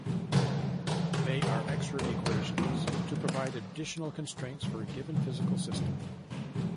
They are extra equations to provide additional constraints for a given physical system.